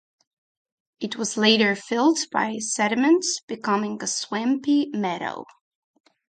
It was later filled by sediment, becoming a swampy meadow.